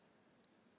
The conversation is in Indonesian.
gerakan yang lain